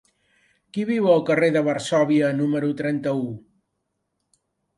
Qui viu al carrer de Varsòvia número trenta-u?